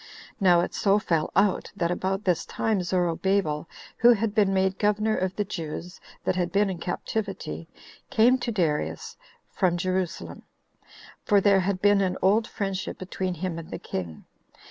Now it so fell out, that about this time Zorobabel, who had been made governor of the Jews that had been in captivity, came to Darius, from Jerusalem; for there had been an old friendship between him and the king.